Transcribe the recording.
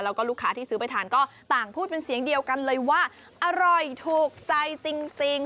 แล้วก็ลูกค้าที่ซื้อไปทานก็ต่างพูดเป็นเสียงเดียวกันเลยว่าอร่อยถูกใจจริง